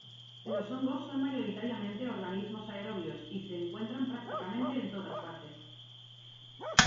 Los hongos son mayoritariamente organismos aerobios, y se encuentran prácticamente en todas partes.